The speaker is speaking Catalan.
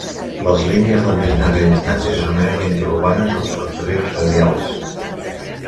Les línies de més llarga distància s'anomenen "interurbanes" o "ferrocarrils radials".